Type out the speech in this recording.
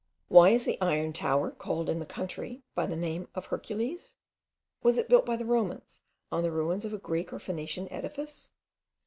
Why is the Iron Tower called in the country by the name of Hercules? Was it built by the Romans on the ruins of a Greek or Phoenician edifice?